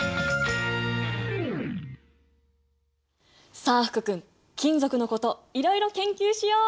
さあ福君金属のこといろいろ研究しよう！